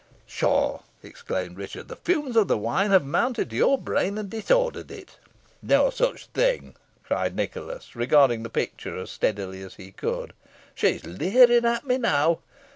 "Pshaw!" exclaimed Richard. "The fumes of the wine have mounted to your brain, and disordered it." "No such thing," cried Nicholas, regarding the picture as steadily as he could "she's leering at me now.